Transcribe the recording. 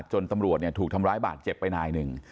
ตำรวจถูกทำร้ายบาดเจ็บไปนายหนึ่ง